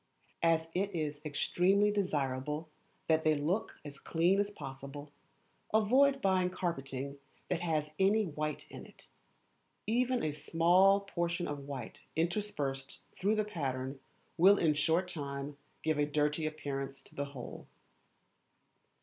As it is extremely desirable that they should look as clean as possible, avoid buying carpeting that has any white in it. Even a very small portion of white interspersed through the pattern will in a short time give a dirty appearance to the whole.